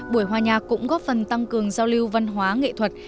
buổi hòa nhạc cũng góp phần tăng cường giao lưu văn hóa nghệ thuật